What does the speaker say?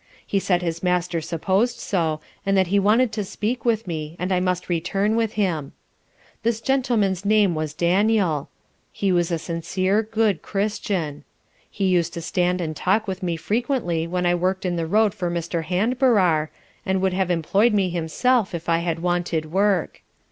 He said his master suppos'd so, and that he wanted to speak with me, and I must return with him. This Gentleman's name was Danniel, he was a sincere, good Christian. He used to stand and talk with me frequently when I work'd in the road for Mr. Handbarrar, and would have employed me himself, if I had wanted work.